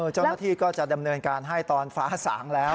เจ้าหน้าที่ก็จะดำเนินการให้ตอนฟ้าสางแล้ว